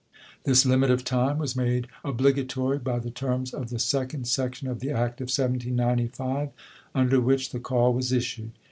This limit of time was made obligatory by the terms of the second section of the Act of 1795, under which the call was issued.